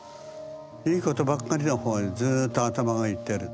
いいことばっかりの方へずっと頭がいってる。